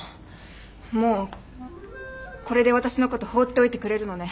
もうこれで私のこと放っておいてくれるのね？